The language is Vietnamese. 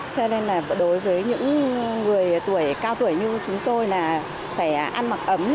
cho nên là đối với những người tuổi cao tuổi như chúng tôi là phải ăn mặc ấm